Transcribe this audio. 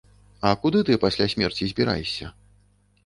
А куды ты пасля смерці збіраешся?